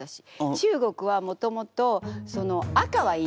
中国はもともとその赤はいいんです。